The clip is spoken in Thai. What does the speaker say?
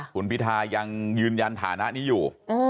คุณพิทายังยืนยันฐานะนี้อยู่